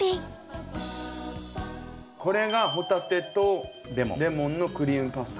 これがほたてとレモンのクリームパスタ。